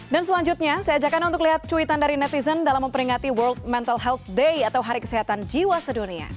dan selanjutnya saya ajak anda untuk lihat cuitan dari netizen dalam memperingati world mental health day atau hari kesehatan jiwa sedunia